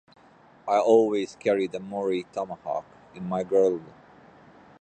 I always carried a Maori tomahawk in my girdle.